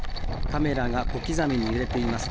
カメラが小刻みに揺れています。